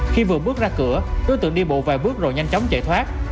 khi vừa bước ra cửa đối tượng đi bộ vài bước rồi nhanh chóng chạy thoát